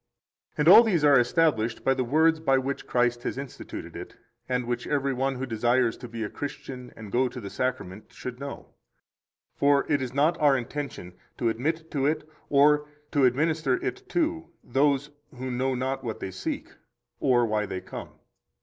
And all these are established by the words by which Christ has instituted it, 2 and which every one who desires to be a Christian and go to the Sacrament should know. For it is not our intention to admit to it and to administer it to those who know not what they seek, or why they come.